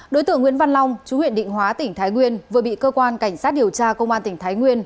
đối tượng nguyễn văn long chú huyện định hóa tỉnh thái nguyên vừa bị cơ quan cảnh sát điều tra công an tỉnh thái nguyên